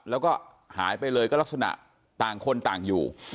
แล้วก็หายไปเลยก็ลักษณะต่างคนต่างอยู่